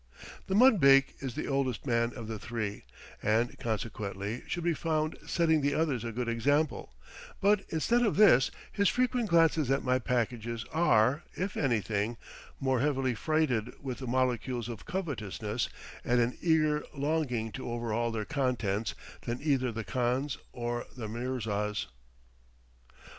The mudbake is the oldest man of the three, and consequently should be found setting the others a good example; but, instead of this, his frequent glances at my packages are, if anything, more heavily freighted with the molecules of covetousness and an eager longing to overhaul their contents than either the khan's or the mirza's.